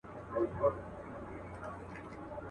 زه به دا توري سترګي چیري بدلومه.